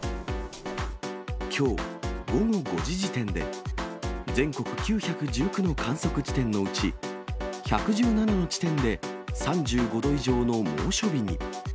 きょう午後５時時点で全国９１９の観測地点のうち、１１７の地点で３５度以上の猛暑日に。